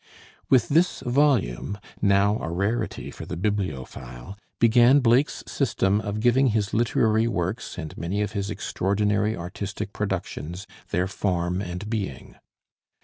With this volume now a rarity for the bibliophile began Blake's system of giving his literary works and many of his extraordinary artistic productions their form and being.